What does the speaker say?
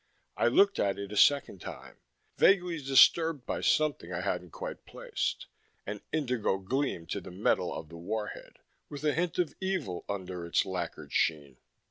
I looked at it a second time, vaguely disturbed by something I hadn't quite placed an indigo gleam to the metal of the warhead, with a hint of evil under its lacquered sheen....